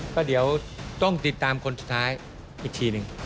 ก็เดี๋ยวต้องติดตามคนสุดท้ายอีกทีหนึ่ง